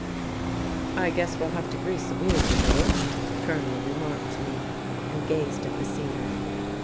"I guess we'll have to grease the wheels a little," the Colonel remarked to me, and gazed at the ceiling....